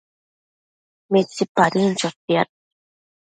Midapadën chotiad